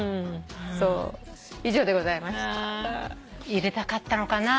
入れたかったのかな？